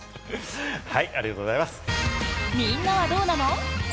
みんなはどうなの？